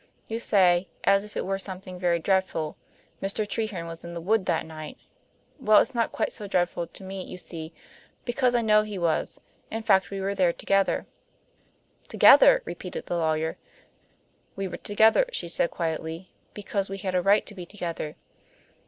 You say, as if it were something very dreadful, 'Mr. Treherne was in the wood that night.' Well, it's not quite so dreadful to me, you see, because I know he was. In fact, we were there together." "Together!" repeated the lawyer. "We were together," she said quietly, "because we had a right to be together."